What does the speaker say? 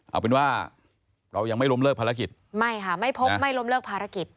เอาเป็นว่าเรายังไม่ล้มเลิกภารกิจไม่ค่ะไม่พบไม่ล้มเลิกภารกิจ